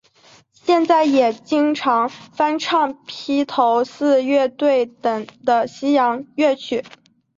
现在也会经常翻唱披头四乐队等的西洋乐曲。